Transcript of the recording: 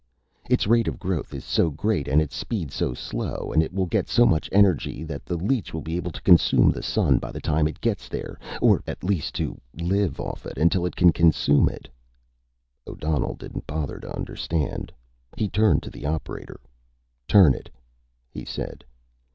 "Its rate of growth is so great and its speed so slow and it will get so much energy that the leech will be able to consume the Sun by the time it gets there. Or, at least, to live off it until it can consume it." O'Donnell didn't bother to understand. He turned to the operator. "Turn it," he said.